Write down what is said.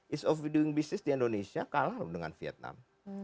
ease of doing business di indonesia kalah dengan vietnam